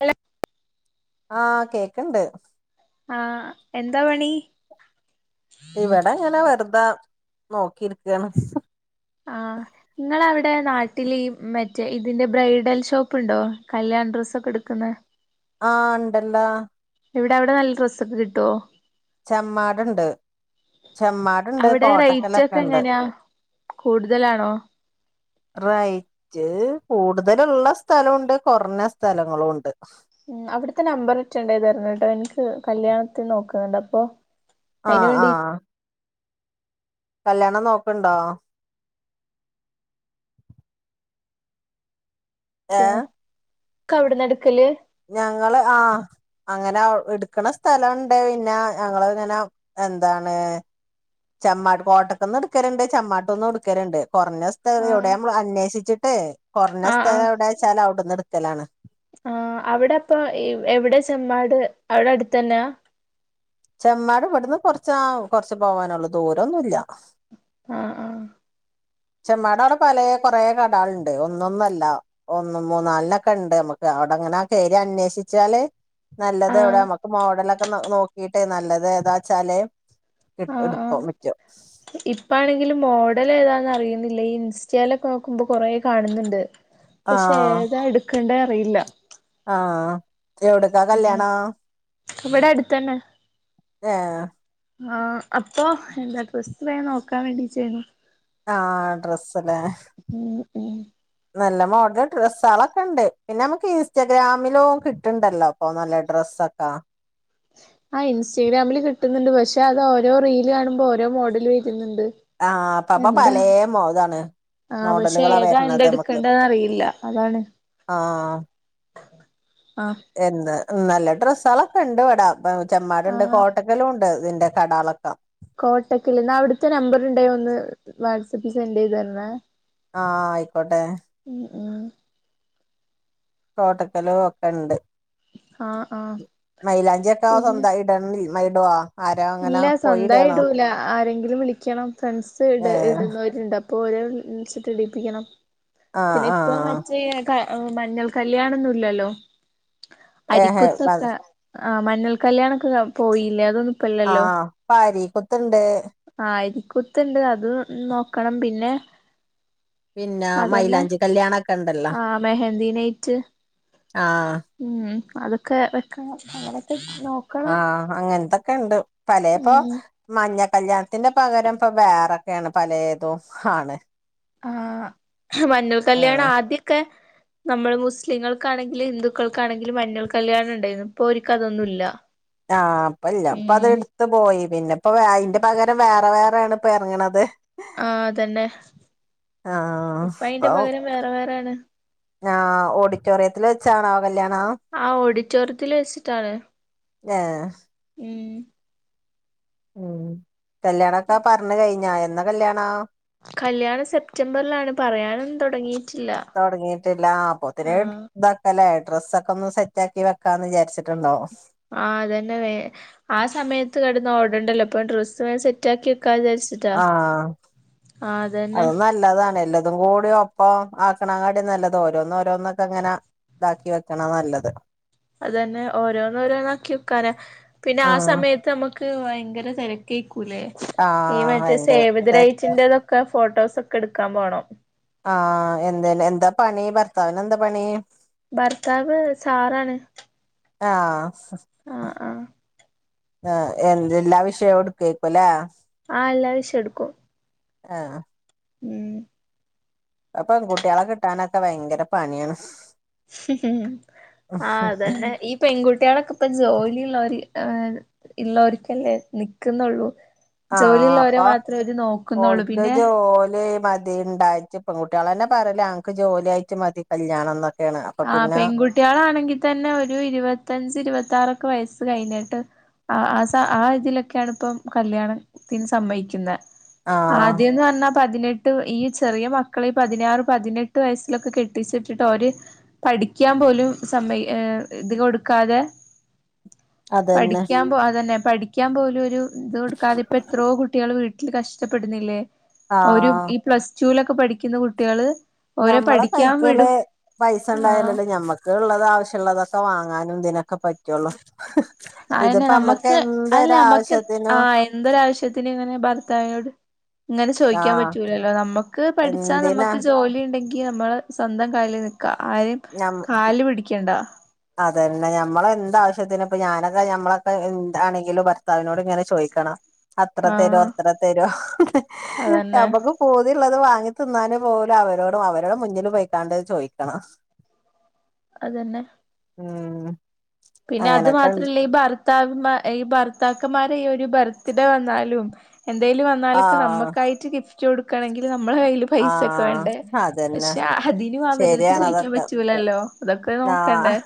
ഹല ആഹ് കേക്കണ്ട് ആഹ് എന്താ പണി ഇവിടെ ഇങ്ങനെ വെറുതാ നോക്കിരിക്കയാണ്. ആ ഇങ്ങളവിടെ നാട്ടിൽ ഈ മറ്റേ ഇതിന്റെ ബ്രൈഡൽ ഷോപ്പ്ണ്ടോ, കല്യാണ ഡ്രസ്സൊക്കെ എടുക്കുന്ന ആ ഉണ്ടല്ലാ ഇവിടെ അവിടെ നല്ല ഡ്രസ്സൊക്കെ കിട്ടോ? ചെമ്മാടുണ്ട് ചെമ്മാടുണ്ട് കോട്ടക്കലൊക്കെണ്ട്. കൂടുതല് റയിച്ച് കൂടുതലുള്ള സ്ഥലോണ്ട് കൊറഞ്ഞ സ്ഥലങ്ങളും ഉണ്ട്. ഉം അവിടുത്തെ നമ്പർ അറ്റൊണ്ടായ തരണെ കേട്ടോ എനിക്ക് കല്യാണത്തിന് നോക്കുന്നുണ്ട് അപ്പൊ ആ അയിന് ആ വേണ്ടി കല്യാണം നോക്കണ്ടോ? ഏഹ് ക്കവിടന്ന്ടുക്കല് ഞങ്ങള് ആ. അങ്ങനെ എടുക്കണ സ്ഥലുണ്ട് പിന്നെ ഞങ്ങളിങ്ങനെ, എന്താണ്? ചമ്മാട്ട് കോട്ടത്തുന്നെടുക്കലുണ്ട് ചമ്മാട്ടൂന്ന്വേടുക്കലുണ്ട് കൊറഞ്ഞ സ്ഥലം എവിടെ ആഹ് നമ്മള് അന്വേഷിച്ചിട് ട്ടേ കൊറഞ്ഞ സ്ഥലം എവിടെച്ചാലും അവിടുന്ന് എടുക്കലാണ്. ആ അവിടെ അപ്പൊ എവിടെ ചെമ്മാട് അവിടെ അടുത്തന്നെയ? ചെമ്മാട് ഇവിടുന്ന് കൊറച്ചാ കൊറച്ച് പോവാനുള്ളൂ ദൂരംഒന്നുവില്ല. ആഹ് ആഹ് ചെമ്മാട്, അവിടെ പലേ കൊറെ കടകളുണ്ട് ഒന്നൊന്നല്ല ഒന്നും മൂന്ന നാലിനൊക്കെ ഉണ്ട് നമുക്ക്. അവിടെങ്ങനെ കേറി അന്വേഷിച്ചാല് നല്ലത് ആഹ് എവിടെ നമ്മുക്ക് മോഡലൊക്കെ നോക്കിട്ടേ നല്ലതേതാച്ചാല് ആ ആ ഇപ്പാണെങ്കിലും മോഡൽ ഏതാന്ന. അറിയുന്നില്ല ഈ ഇൻസ്റ്റേലൊക്കെ നോക്കുമ്പോ കൊറേ കാണുന്നുണ്ട് ആ പക്ഷെ ഏതാ എടുക്ക ണ്ടെ അറിയില്ല. ആ എവിടക്കാ ഉം കല്യാണം ഇവിടെ അടുത്തന്നെ ഏ ആ അപ്പൊ എന്താ ഡ്രസ്സ് വേം നോക്കാൻ വേണ്ടീട്ടായിരുന്നു. ആ ഡ്രസ് ഉം ഉം നല്ല മോഡൽ ഡ്രസ്സാളൊക്കെണ്ട് പിന്നെ നമുക്ക് ഇൻസ്റ്റാഗ്രാമിലോ കിട്ടണ്ടല്ലോ ഇപ്പൊ നല്ല ഡ്രസ്സ്. സത്താ ആ ഇൻസ്റ്റഗ്രാമില് കിട്ടുന്നുണ്ട് പക്ഷെ അത് ഓരോ റീല് കാണുമ്പോ ഓരോ മോഡല് വരുന്നുണ്ട്. ആ അപ്പാപ്പ എന്താ പലേ മോതാണ്. ആഹ് പക്ഷെ മോഡലുകളാ ഏതാ വരണത് നമുക്ക് എന്തെടുക്കണ്ടന്ന് അറിയില്ല അതാണ് ആ ആഹ് എന്ന് നല്ല ഡ്രസ്സളൊക്കെ ഉണ്ട് ഇവിടാ ഇപ്പ ചെമ്മാടുണ്ട് ആഹ് കോട്ടക്കലും ഉണ്ട് ഇതിന്റെ കടാളൊക്കെ. കോട്ടക്കൽ എന്നാ അവിടുത്തെ നമ്പർ ഉണ്ടായോ ഒന്ന് വാട്സആപ്പിൽ സെൻഡ് ചെയ്ത് തരണേ. ആ ആയിക്കോട്ടെ. ഉം ഉം കോട്ടക്കല് ഒക്കെ ഉണ്ട്. ആഹ് ആഹ് മൈലാഞ്ചി ഒക്കെ പിന്നെ സ്വന്തായിട്ട് ഇട മൈ ഇടവോ? ഇല്ല സ്വന്തമായി ഇടൂല ആരെങ്കില ലും വിളിക്കണം ഫ്രണ്ട്സ് ഇട് ഏഹ് ഇടുന്നവരുണ്ട് അപ്പൊ ഓര് വിളിച്ചിട്ടിടിപ്പിക്കണം. ആഹ് പിന്നെ ഇപ്പൊ ആഹ് മറ്റേ മഞ്ഞൾ കല്യാണൊന്നുമില്ലല്ലോ ഏഹ് അരിക്കുത്തൊക്കെ ആ മഞ്ഞൾ കല്യാണൊക്കെ പോയില്ലേ അതൊന്ന ആ പ്പരീക്കുത്തണ്ട്. കുത്തണ്ട് അതും നോക്കണം പിന്നെ പിന്നെ അതന്നെ മൈലാഞ്ചി കല്യാണൊക്കെണ്ടല്ലോ ആഹ് മെഹന്തി ആ ഉ അതൊക്കെ വെക്കണം അങ്ങനെക്കെ നോക്കണം. ക്കേണ്ട് പലേപ്പോ ഉം മഞ്ഞ ക്കല്യാണത്തിന്റെ പകരം ഇപ്പൊ വേറൊക്കെയാണ് പലേതും ആണ്. ആ മഞ്ഞൾ ആഹ് കല്ല്യാണം ആദ്യൊക്കെ ന്നമ്മള് മുസ്ലിങ്ങൾക്കാണെങ്കില് ഹിന്ദുക്കൾക്കാണെങ്കിലും മഞ്ഞൾ കല്ല്യിണം ണ്ടേയിന്നു ഇപ്പോര്ക്കതൊന്നുല്ല ആ ഇപ്പല്ല പ്പത് ഇട്ത്ത് പോയി പിന്നെ പ്പം വേ അയ്ന്റെ പകരം വേറെ വേർ വേണ പ്പ എർങ്ങ്ണത് ആഹ് അതന്നെ ആ ഇപ്പ അയിന്റെ പ്പം പകരം വേറെ വേറെയാണ് ആഹ് ഓഡിറ്റോറിയത്തില് വെച്ചാണാവോ ആ ഒടിറ്റോറിയത്തില് വെച്ചിട്ടാണ് ഏഹ് മ് മ് കല്യാണൊക്കാ പർഞ്ഞ് കഴിഞ്ഞാ എന്നാ കല്യാണം കല്യാണം സെപ്റ്റംബറിലാണ് പറയാനൊന്നും തൊട്ങ്ങീ തൊടങ്ങീട്ടില്ല ആ അപ്പോത്തിന് ആഹ് ദാക്ക ലേ ഡ്രസ്സൊക്കെ ഒന്ന് സെറ്റാക്കി വെക്കാന്ന് വിചാര്ച്ചിട്ടുണ്ടാഉം ആഹ് അതന്നെ വേ പ്പം ഡ്രസ്സ് വേം സെറ്റാക്കി ക്ക ആഹ് ആഹ് അതന്നെ അത് ന്നല്ലതാണ് എല്ലത് തും കൂടി ഒപ്പം ആക്കണാങ്ങാട്ടീം ന്നല്ലത് ഓരോന്ന് ഓരോന്നൊക്ക ങ്ങനെ താക്കി വെക്ക്ണാ ന്നല്ലത് അതന്നെ ഓരോന്ന് ഓരോന്നാക്കി വക്കാന പിന്നെ ആ ആഹ് സമയത്ത് അമു ക്ക് വയങ്കര തെരക്കയിക്കു ലേ ഈ ആഹ് മറ്റേ ഭയങ്കര സേവതരൈറ്റിൻ്റതൊക്ക ഫോട്ടോസൊക്ക ഇട്ക്കാം ട്ക്കാം പോണം ആ എന്തേന് എന്താ പണി ഭർത്താവിന് എന്താ പണി ഭർത്താവ് സാറാണ് ആഹ് ആഹ് ആഹ് ആഹ് എന്ത് എല്ലാ വിഷയും ഇട്ക്കെയ്ക്കു ലേ ആ എല്ലാ വിഷയും ഇട്ക്കും ആഹ് മ് അ പ്പെകുട്ടിആളെ കിട്ടാനൊക്കെ ഭയങ്കര പണി ആണ് ആ അതന്നെ ഈ പെൺകുട്ടീളൊക്കപ്പം ജോലിള്ളോര് [unintelligible] ഇള്ളോര്ക്കല്ലേ നിക്കുന്നൊള്ളൂ ആ അപം ഓൽക്ക് പിന്നെ ജോലി മറ്റ് തി ഇണ്ടായിറ്റ് പെൺകുട്ടിആൾ എന്നെ പറയാൻക്ക് ജോലിആയിറ്റ് മതി കല്ല്യാണം ന്നൊക് ആ പെൺകുട്ട്യളണെങ്കി തന്നെ ഒരുഇരുവത്തഞ്ച്ഇരുവത്താറൊക്കെ വയസ്സ് കഴിഞ്ഞിട്ട് ആഹ് ആഹ് ആസ ആതിലൊക്കെണ് പ്പം കല്ല്യാണത്തിന് സമ്മയ്ക്യുന്ന ആഹ് ആദ്യം ന്ന് അർഞാ പ് പതിനെട്ട് ഈ ചെറിയ മക്കളെ ഈ പതിനാറ് പതിനെട്ട് വയസ്സിലൊക്കെ കെട്ടിച്ചിട്ട്ട്ട് ഓര് പഠിക്യാം പോലും സമ്മയ് ഏ ത് കൊട്ക്കാതെ അതന്നെ പഠിക്യാം പോആതന്നെ പഠിക്യാം പോലും ഒരു ത് കൊടുക്കാതിപ്പ എത്രോ കുട്ടിൾ വീ ൽ കഷ്ടപ്പെടുന്നില്ലേ ഒരു ആഹ് ഈ പ്ലസ് റ്റു ലൊക്കെ പഠിക്കുന്ന കുട്ടികള് ഓരെ ഞമ്മളെ പഠിക്കാൻ കൈക്കെല് വിടും പൈസൺ ആ ണ്ടായാലെല്ലേ ഞമ്മക്ക് ഇള്ളത് ആവശ്യള്ളതൊക്കെ വാങ്ങാനും തിനൊക്കെ പറ്റുഒള്ളു അഎന്നെ ന്നമ്മക്ക് അഅല്ല അമ്മക്ക് ആ എന്തൊരാവശ്യത്തിനും എന്തൊരാവശ്യത്തിന് ഇങ്ങനെ ഭർത്താവിനോട് ങ്ങനെ ചോയ്ക്കാം ആഹ് പറ്റൂലല്ലോ ന്നമ്മക്ക് പഠിച്ചാ എന്തിനാ ന്നമ്മക്ക് ജോലി ണ്ടെങ്കി ങ്കി ഞമ്മളെ സ്വന്തം കാലില് ന്ന്ക്ക ആര്യം കാൽല് പിടിക്കണ്ട അതെന്നെ ഞമ്മെളെ എന്താവശ്യത്തിനും പം ഞാനൊക്കെ ഞമ്മളൊക്കെ എന്താണെങ്കിലും ഭർത്താവിനോട് ങ്ങനെ ചോയ്ക്കണം അത്ര തരോ ആഹ് ഇത്ര തരോ അതന്നെ ഞമ്മക്ക് പൂതിള്ളത് വാങ്ങ് ത് ന്നാനും പോലും അവരോടും അവരുടെ മുന്നില് പൊയ്ക്കാണ്ട് അഹ് ചോയിക്കണം അതെന്നെ മ് പിന്നെ അത് മാത്രല്ല ഈ ഭർത്താവ് മാ ഈ ഭർത്താക് ക്കന്മാരെ ഈ ഒരു ബർത്ത് ഡേ വന്നാലും എന്തേലും വന്നാലൊക്കെ ആഹ് ന്നമ്മക്കായിറ്റ് ഗിഫ്റ്റ് കൊട്ക്കണങ്കിൽ ന്നമ് മ്മളെ കയ്ൽ പൈസൊക്കെ ആഹ് വേണ്ടേ അതന്നെ പക്ഷെ അതിന് അവരെ ട്ത്ത് ശരിയാണ് ചോയിക്കാം അതൊക്കെ പറ്റൂലല്ലോ അതൊക്കെ നോക്കണ്ടേ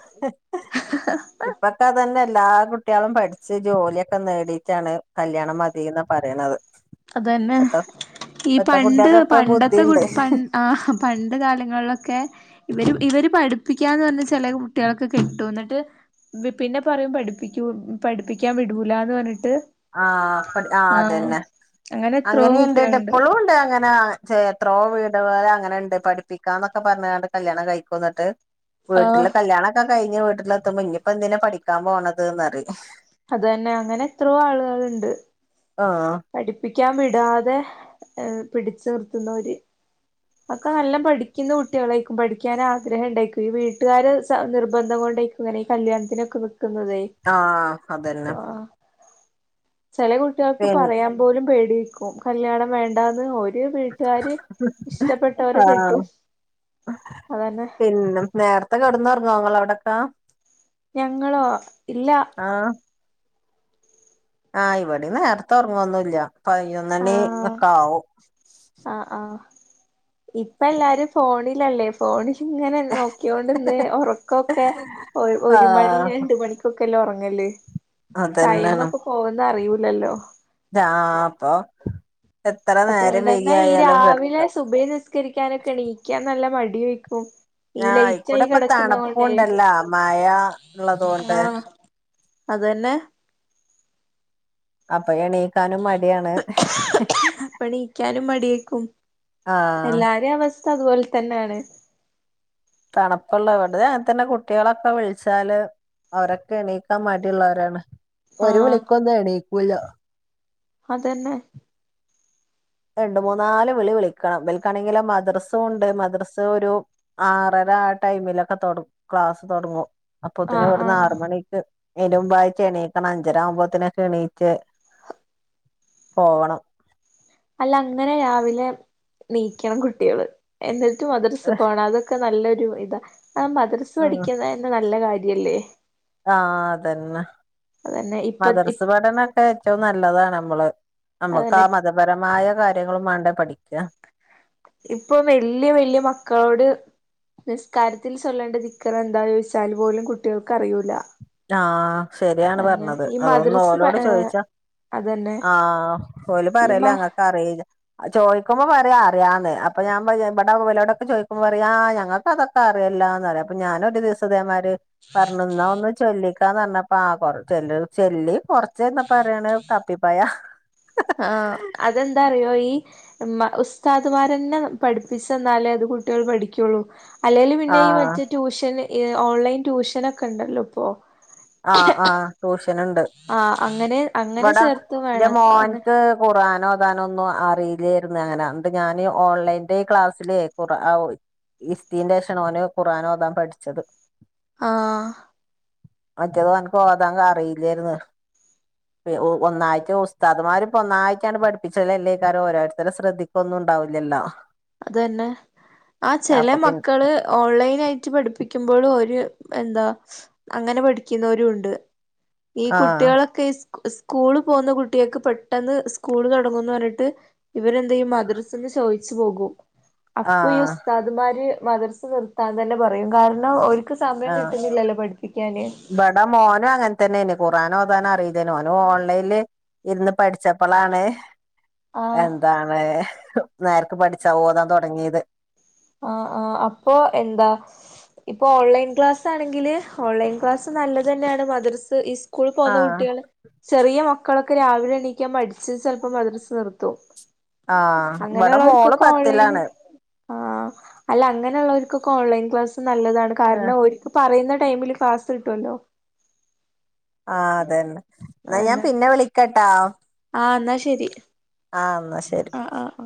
ഇപ്പൊത്തന്നെ അതന്നെല്ലാ കുട്ടികളും പഠിച്ച് ജോലിയൊക്കെ നേടിയിട്ടാണ് കല്യാണം മതിന്ന് പറയണുന്നത്. അതന്നെ ഈ ഇപ്പത്തെ പണ്ട് കുട്ടികൾക്കൊക്കെ പണ്ടത്തെ കു ബുദ്ധിണ്ട് ആ പണ്ട് കാലങ്ങളിലൊക്കെ ഇവര് ഇവര് പഠിപ്പിക്കാ എന്ന് പറഞ്ഞ ചില കുട്ടികളൊക്കെ കിട്ടും എന്നിട്ട് പിന്നെ പറയും പഠിപ്പിക്ക പഠിപ്പിക്കാൻ വിടൂല എന്ന് പറഞ്ഞിട്ട് ആഹ അപ്പ ആ ആഹ് അതന്നെ അങ്ങനെ എത്രയോ അങ്ങനെയുണ്ട്ട്ട് കുട്ടികളുണ്ട് എപ്പോഴും ഇണ്ട് അങ്ങനെ എത്രോ വീട്ക അങ്ങനെണ്ട് പഠിപ്പിക്കാന്നൊക്കെ പറഞ്ഞണ്ട് കല്യാണം കഴിക്കന്നിട്ട് ആഹ് വീട്ടിലെ കല്യാണൊക്കെ കഴിഞ്ഞ് വീട്ടിലെത്ത ഇനിപെന്തിനാ എന്തിന പഠിക്കാൻ പോണത് ഉണ്ട് ആഹ പഠിക്കാൻ വിടാതെ പിടിച്ചു നിർത്തുന്ന ഒരുര് അക്കെ നല്ല പഠിക്കുന്ന കുട്ടികളായിക്കും പഠിക്കാൻ ആഗ്രഹം ഉണ്ടായിക്കും ഈ വീട്ടുകാര് നിർബന്ധം കൊ ങ്ങനെ കല്യാണത്തിനൊക്കെ നിക്കുന്നതേ ആഹ് അതന്നെ ചേലെ കുട്ടികൾക്ക് പിൻ പറയാൻ പോലും പേടിക്കും കല്യാണം വേണ്ടന്ന് ഓ ഒരു വീട്ടുകാര് ഇഷ്ടപ്പെട്ടവരെ ആഹ് കെട്ടും അതന്നെ പിന്നെ നേരത്തെ കെടന്ന് ഇറങ്ങും ങ്ങ അവിടൊക്കാ? ഞങ്ങളോ ഇല്ല. ആഹ ഇവിടി നേരത്തെ ഉറങ്ങൊന്നുംല്ല പയ്നോനുമണി ഒകെ ആവും ആ് ആഹ ഇപ്പ എല്ലാരും ഫോണിലല്ലേ ഫോണിൽ ഇങ്ങനെ നോക്കിയൊണ്ട ഇന്ന് ഉറക്കമൊക്കെ ഒരു മണി ആഹ് രണ്ട മണിക്കൊക്കെല്ലാം ഉറ അങ്ങല്ലേ ടൈമ ഒക്കെ പോവന്ന് അറിയൂ ല്ലല്ലോ അത അപ്പൊ എത്ര അതുകൊണ്ട നേരം തന്നെ ഈ വൈകിയായാലും കിടക്ക രാവിലെ സുബഹി നിസ്കരിക്കാനൊക്കെ എണീക്കാൻ നല്ല മടി വെക്കും ഈ ആഹ് ലൈറ്റായി ഇക്കുടെ ഇപ്പ കിടക്കുന്ന കൊണ്ടേ തണുപ്പുണ്ടല്ല മഴ ഉള്ളതുകൊണ്ട് ആഹ അതന്നെ അപ്പൊ എണീക്കാനും മടിയാണ്. ആഹ് എല്ലാരേ അവസ്ഥ അതുപോലെ തന്നെയാണ്. തണുപ്പുള്ള ഇവിട അങ്ങനത്തന്നെ കുട്ടികളൊക്കെ വിളിച്ചാല് അവരൊക്കെ എണീക്കാൻ മടില്ലൊരാണ് ഒരു വിളിക്കൊന്നും എണീക്കൂല്ല അതെന്നെ രണ്ട മൂന്ന നാല് വിളി വിളിക്കണം ഇവർക്കാണെങ്കി മദ്രസ ഉണ്ട് മദ്രസ ഒരു ആറ ആ ടൈമിലൊക്കെ തുടങ്ങും ക്ലാസ് തുടങ്ങും അപ്പൊ ഒത്തിന് ആഹ് ഇവിടുന്ന ആഹ് ആറുമണിക്ക് അയ്ൻ മുൻപായി എണീക്കണം അഞ്ചര ആവുമ്പോത്തിനെ എണീച്ച് പോവണം. അല്ല അങ്ങനെ രാവിലെ നീക്കണം കുട്ടികള് എന്നി മദ്രസാ പോണം അതൊക്കെ നല്ലൊരു ഇതാ ആ മദ്രസ് പഠിക്കുന്ന തെ നല്ല കാര്യല്ലേ? ആഹ അതന്നെ അതന്നെ ഇപ്പ മദർസ് പഠനൊക്കെ ഏറ്റോ നല്ലതാണ് നമ്മള് നമ്മക്ക് ആ അതന്നെ മതപരമായ കാര്യങ്ങളും വേണ്ടേ പഠിക്കുക. ഇപ്പൊ വല്യ വല്യ മക്കളോട് നിസ്കാരത്തിൽ ചൊല്ലേണ്ട ദിക്ർ എന്താ ചോദിച്ചാല് പോലും കുട്ടികൾക്ക് അറിയൂല ആഹ ശരിയാണ് അതന്നെ പറഞ്ഞത് ഈ അതൊന്ന് മദ്രസ് പ ഓലോട് ചോയിച്ചാ അതന്നെ ആഹ ഓല് ഈ പറയലേ മ അങ്ങക്ക് അറി ചോ ചുമ്പോ പറയാ അറിയാന്ന് അപ്പൊ ഞാൻ ഇവിട ബളോടൊക്കെ ചോദുമ്പോ അറിയ ഞൾക്ക അതൊക്കെ അറിയില്ലാന്ന് പറയാ അപ്പ ഞാന ഒരു ദിവസേ പറഞ്ഞു ന്നാ ഒന്ന് ചൊല്ലിക്കന്ന് പറഞ്ഞപ്പോ ചൊല്ലി [unintelligible] ച്ചേ എന്നാ പറയാണ് കപ്പിപ്പായ ആഹ് അതെന്താ ഈ ഉസ്താദ്മാരന്നെ പഠിപ്പിച്ചുന്നാലേ അത് കുട്ടികൾ പഠിക്കുള്ളൂ അല്ലേങ്കല് പിന്നെ ഈ ആഹ് മറ്റേ ട്യൂഷൻ ഓൺലൈൻ ട്യൂഷന ഒക്കെ ഉണ്ടല്ലോ ഇപ്പോ ആ ആഹ് റോഷ് ങ്ങനെണ്ട് ആഹ് അങ്ങനെ അങ്ങനെ വടെ ചേർത്തും ന്റെ വേണം അങ്ങനെ മോൻക്ക് ഖുറാനോ നൊന്നും അറീലേർന്നുഅങ്ങനെ ന്നിട്ട് ഞാന് ഓൺലൈൻന്റെ ഈ ക്ലാസ്സില് ഖുറാ ഇര്തീൻ്റേഷാണ് ഓന് ഖുറാനോതാൻ പഠിച്ചത് ആഹ് മറ്റേത് ഓന്ക് ഓതാൻ അറീലേർന്ന് ഒന്നായിട്ട് ഉസ്താദമാര്പ്പോ ഒന്നായിട്ടാആൻഡ് പഠിപ്പിച്ചലല്ലേയ്കാരം ഓരോരുത്തരെ ശ്രദ്ധിക്കൊന്നും ഉണ്ടാവില്ലല്ല അതന്നെ ആ ചെല പിന്നെ മക്കള് ഓൺലൈൻ ആയിട്ട് പഠിപ്പിക്കുമ്പോഴും ഒരു ഇ എന്താ അങ്ങനെ പഠിക്കുന്നവരുണ്ട് ഈ ആഹ് കുട്ടികളൊക്കെ സ്കൂള് പോക്ന്ന കുറ്റ്യാക്ക് പെട്ടെന്ന് സ്കൂൾ തുടങ്ങുന്ന് പറഞ്ഞിട്ട് ഇവരെ എന്തെയ്യും മദ്രസന്ന് ചോയിച്ച് പോകും അപ്പൊ ഈ ആഹ് ഉസ്താദമാര് മദർസ് നിർത്താൻ തന്നെ പറയും കാരണം ഓര് ആഹ് ഇവിട മോനും അങ്ങനെ തന്നേണ് ഖുറാനോതാനറിലേറ്ന്ന് ഓന് ഓൺലൈന്ല് ഇരുന്ന് പഠിച്ചപ്പളാണ് ആഹ് എന്താണ് നേരക്ക് പഠിച്ചാ ഓതാൻ തൊടങ്ങീത് ആഹ് ആഹ് അപ്പൊ ക്ലാസാണെങ്കില് ഓൺലൈൻ ക്ലാസ് നല്ല തന്നേണ് മദർസ് ഇസ് സ്കൂളി പോവുന്ന ആഹ് കുട്ടികള് ചെറിയ മക്കളൊക്കെ ക്ക് രാവിലെ എണീക്കാം മടിച്ച് ചെലപ്പ മദർസ് നിർത്തും ആഹ് ഇവിടെ മോള് അങ്ങനെയുള്ളൂർക്കൊക്കെ ഓൺലൈന് പത്തിലാണ് ആഹ് അല്ല അങ്ങനെയുള്ളോര്ക്കൊക്കെ ഓൺലൈൻ ക്ലാസ്സ് നല്ലതാണ് ആഹ് കാരണം ഓര്ക്ക് പറയുന്ന ടൈമില് കാസ് കിട്ടോല്ലോ ആ അതന്നെ ന്നാ ഞാൻ പിന്നെ വിളിക്കട്ടാ ആഹ് ന്നാ ശരി ആ ന്നാ ശരി ആഹ് ആഹ്